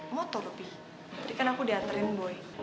motor lebih tadi kan aku diantarin boy